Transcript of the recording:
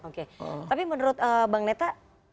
oke tapi menurut bang neta